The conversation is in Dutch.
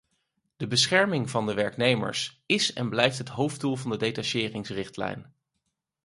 De bescherming van de werknemers is en blijft het hoofddoel van de detacheringsrichtlijn.